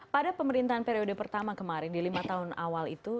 pada pemerintahan periode pertama kemarin di lima tahun awal itu